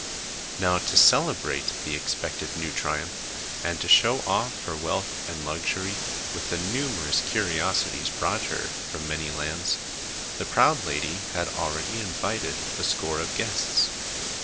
Now to celebrate the expected new triumph and to show off her wealth and luxury, with the numerous curiosities brought her from many lands, the proud lady had already invited a score of guests.